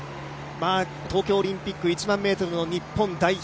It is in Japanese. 東京オリンピック１００００ｍの日本代表。